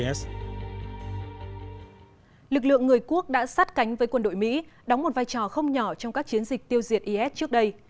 lực lượng người quốc đã sát cánh với quân đội mỹ đóng một vai trò không nhỏ trong các chiến dịch tiêu diệt is trước đây